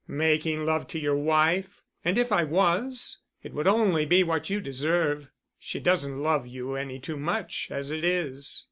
"Making love to your wife? And if I was, it would only be what you deserve. She doesn't love you any too much, as it is."